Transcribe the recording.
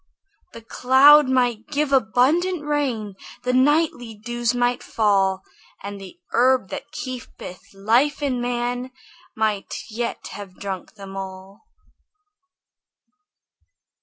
The clouds might give abundant rain, The nightly dews might fall, And the herb that keepeth life in man Might yet have drunk them all.